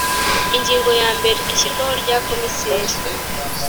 Ingingo ya mbere Ishyirwaho rya Komiseri